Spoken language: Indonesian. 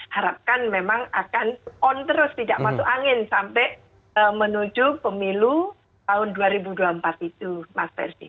harapkan memang akan on terus tidak masuk angin sampai menuju pemilu tahun dua ribu dua puluh empat itu mas ferdi